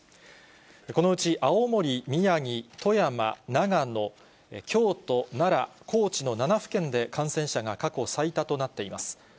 このうち青森、宮城、富山、長野、京都、奈良、高知の７府県で感染者が過去最多となっています。